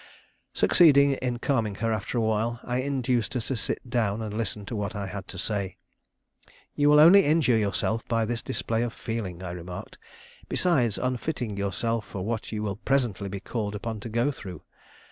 Succeeding in calming her after a while, I induced her to sit down and listen to what I had to say. "You will only injure yourself by this display of feeling," I remarked, "besides unfitting yourself for what you will presently be called upon to go through."